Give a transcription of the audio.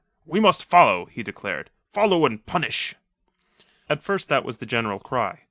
"We must follow," he declared. "Follow and punish." At first that was the general cry.